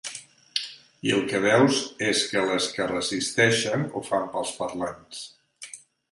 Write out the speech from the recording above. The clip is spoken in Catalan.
I el que veus és que les que resisteixen ho fan pels parlants.